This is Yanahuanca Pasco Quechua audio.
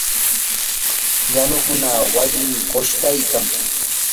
yanukuna wasi qushtaykan.